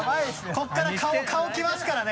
ここから顔きますからね